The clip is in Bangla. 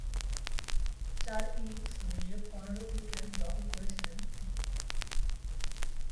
চার ইনিংস মিলিয়ে পনেরো উইকেট দখল করেছিলেন তিনি।